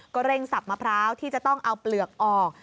เร่งสับมะพร้าวที่จะต้องเอาเปลือกออก